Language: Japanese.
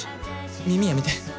耳やめて。